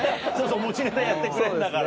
持ちネタやってくれるんだから。